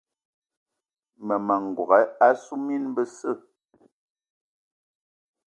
Mmema n'gogué assu mine besse.